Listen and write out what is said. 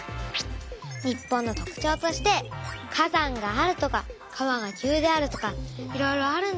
日本の特ちょうとして「火山がある」とか「川が急である」とかいろいろあるんだよ。